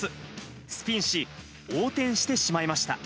スピンし、横転してしまいました。